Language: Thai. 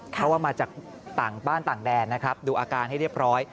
เพราะว่ามาจากต่างบ้านต่างแดนนะครับดูอาการให้เรียบร้อย